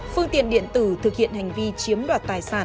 phương tiện điện tử thực hiện hành vi chiếm đoạt tài sản